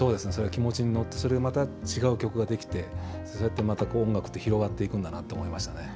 気持ちに乗って、それでまた違う曲が出来て、ずっとまた音楽って、広がっていくんだなって思いましたね。